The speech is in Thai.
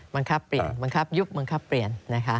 บังคับเปลี่ยนบังคับยุบบังคับเปลี่ยนนะคะ